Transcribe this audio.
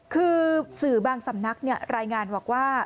คือสื่อบางสำนักรายงานบอกว่า